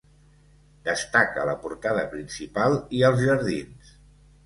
Destaca la portada principal i els jardins.